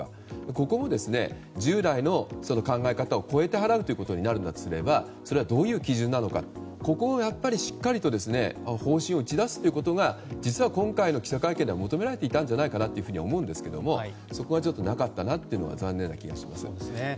ここも従来の考え方を超えて払うということになるとすればどういう基準なのかここをしっかりと方針を打ち出すということが実は今回の記者会見で求められていたんじゃないかなと思うんですけどそこはちょっとなかったなというのは残念な気がします。